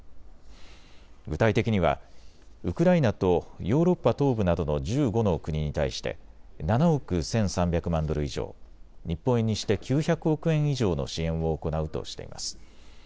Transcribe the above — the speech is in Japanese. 具体的にはウクライナとヨーロッパ東部などの１５の国に対して７億１３００万ドル以上、日本円にして９００億円以上の支援を行うとしています。